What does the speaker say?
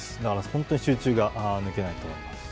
本当に集中が抜けないと思います。